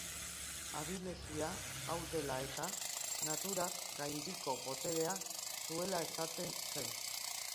Abilezia hau dela eta, naturaz gaindiko boterea zuela esaten zen.